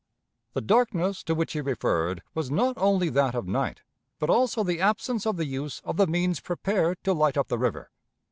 The darkness to which he referred was not only that of night, but also the absence of the use of the means prepared to light up the river.